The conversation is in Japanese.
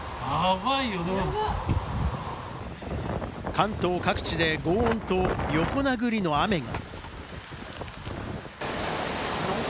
関東各地で、ごう音と横殴りの雨が。